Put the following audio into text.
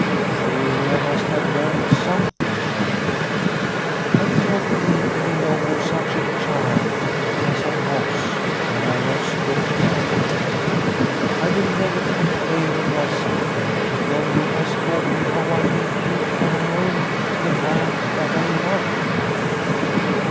Surely, I must have learnt something from it ? I cannot be any longer such a child as I was when I lost dear Father. I will never complain of my suffering, if only it has taught me how I may keep for my own the man that I love."